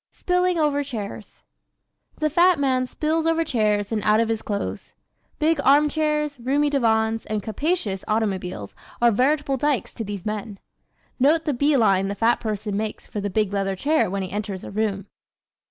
Spilling Over Chairs ¶ The fat man spills over chairs and out of his clothes. Big arm chairs, roomy divans and capacious automobiles are veritable dykes to these men. Note the bee line the fat person makes for the big leather chair when he enters a room!